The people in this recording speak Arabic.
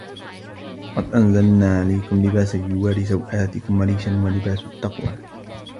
قَدْ أَنْزَلْنَا عَلَيْكُمْ لِبَاسًا يُوَارِي سَوْآتِكُمْ وَرِيشًا وَلِبَاسُ التَّقْوَى